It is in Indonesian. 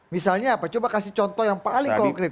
misalnya apa coba kasih contoh yang paling konkret